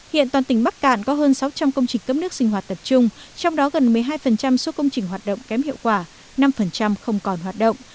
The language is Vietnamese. hiện toàn tỉnh bắc cạn có hơn sáu trăm linh công trình cấp nước sinh hoạt tập trung trong đó gần một mươi hai số công trình hoạt động kém hiệu quả năm không còn hoạt động